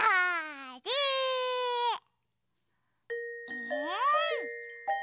えい！